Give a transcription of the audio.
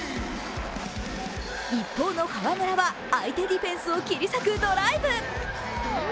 一方の河村は相手ディフェンスを切り裂くドライブ。